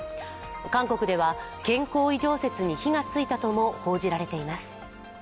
韓国では、健康異常説に火がついたとも報じられています。